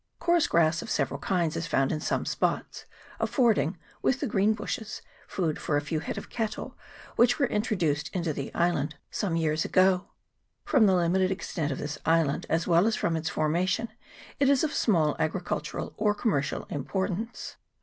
Coarse grass of several kinds is found in some spots, affording, with the green bushes, food for a few head of cattle which were introduced into the island some years ago. From the limited extent of this island, as well as from its formation, it is of small agricultural or commercial importance.